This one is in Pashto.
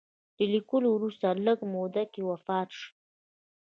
له لیکلو وروسته لږ موده کې وفات شو.